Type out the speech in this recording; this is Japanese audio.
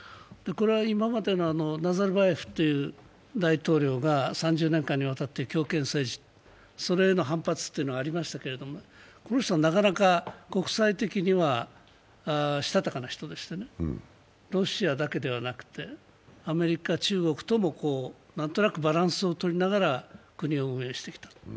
今までのナザルバエフという大統領が３０年間にわたって強権政治、それへの反発というのがありましたけれども、この人はなかなか国際的にはしたたかな人でしてロシアだけではなくて、アメリカ、中国とも何となくバランスを取りながら国を運営してきた。